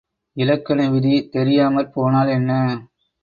இலக்கண விதி தெரியாமற் போனால் என்ன?